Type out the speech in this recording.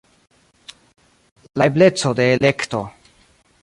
La ebleco de elekto.